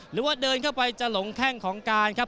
หรือว่าเดินเข้าไปจะหลงแข้งของการครับ